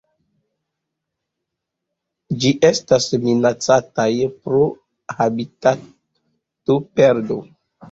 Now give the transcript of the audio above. Ĝi estas minacataj pro habitatoperdo.